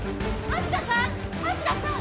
橋田さん！